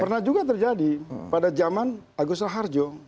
pernah juga terjadi pada zaman agus raharjo